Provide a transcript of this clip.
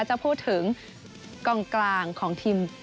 จะพูดถึงกองกลางของทีม